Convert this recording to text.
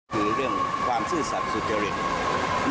คือเรื่องความซื่อสัตว์สุจริต